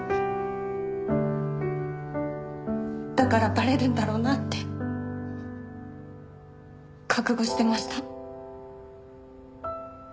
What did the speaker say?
だからバレるんだろうなって覚悟してました。